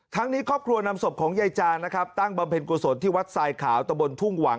นี้ครอบครัวนำศพของยายจานนะครับตั้งบำเพ็ญกุศลที่วัดทรายขาวตะบนทุ่งหวัง